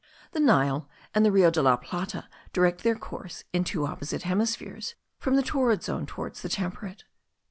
The Nile and the Rio de la Plata direct their course, in the two opposite hemispheres, from the torrid zone towards the temperate.